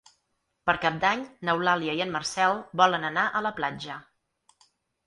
Per Cap d'Any n'Eulàlia i en Marcel volen anar a la platja.